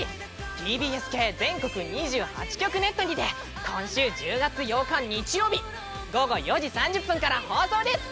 ＴＢＳ系全国２８局ネットにて今週１０月８日日曜日午後４時３０分から放送です